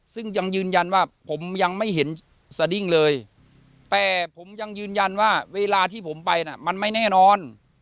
ซึ่งยังยืนยันว่าผมยังไม่เห็นสดิ้งเลยแต่ผมยังยืนยันว่าเวลาที่ผมไปน่ะมันไม่แน่นอน